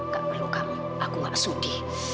gak perlu kamu aku gak sudih